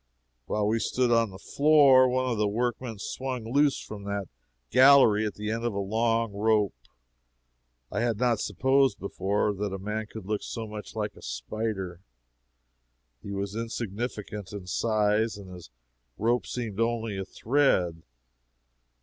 While we stood on the floor one of the workmen swung loose from that gallery at the end of a long rope. I had not supposed, before, that a man could look so much like a spider. He was insignificant in size, and his rope seemed only a thread.